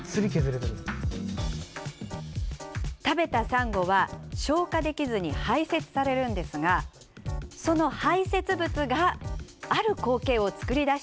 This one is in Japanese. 食べたサンゴは消化できずに排せつされるんですがその排せつ物がある光景を作り出しています。